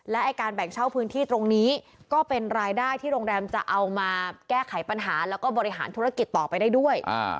และการแบ่งเช่าพื้นที่ตรงนี้ก็เป็นรายได้ที่โรงแรมจะเอามาแก้ไขปัญหาแล้วก็บริหารธุรกิจต่อไปได้ด้วย